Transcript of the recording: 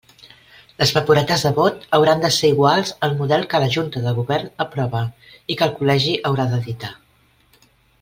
Les paperetes de vot hauran de ser iguals al model que la Junta de Govern aprove i que el Col·legi haurà d'editar.